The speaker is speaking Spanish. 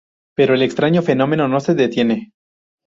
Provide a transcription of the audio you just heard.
Pero el extraño fenómeno no se detiene.